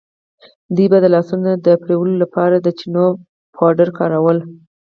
دوی به د لاسونو د وینځلو لپاره د چنو پاوډر کارول.